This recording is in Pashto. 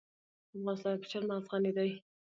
افغانستان په چار مغز غني دی.